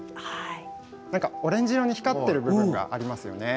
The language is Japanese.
オレンジ色に光っている部分がありますよね。